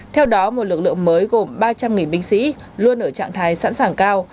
theo đó một lực lượng mới gồm ba trăm linh binh sĩ luôn ở trạng thái sẵn sàng cao